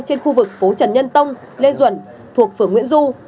trên khu vực phố trần nhân tông lê duẩn thuộc phường nguyễn du